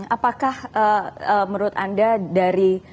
apakah menurut anda dari